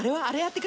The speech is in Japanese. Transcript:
あれは？